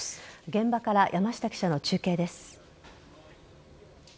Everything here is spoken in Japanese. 現場から山下記者の中継です。